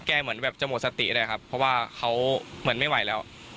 เหมือนแบบจะหมดสติเลยครับเพราะว่าเขาเหมือนไม่ไหวแล้ว